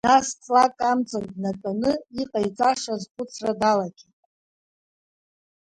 Нас ҵлак амҵан днатәаны иҟаиҵаша азхәыцра далагеит.